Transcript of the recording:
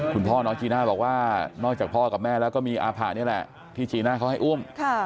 คุณพ่อน้องจีน่าบอกว่านอกจากพ่อกับแม่แล้วก็มีอาผะนี่แหละที่จีน่าเขาให้อุ้ม